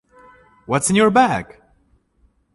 What’s in your bag?